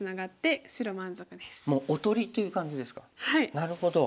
なるほど。